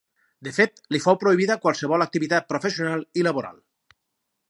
De fet, li fou prohibida qualsevol activitat professional i laboral.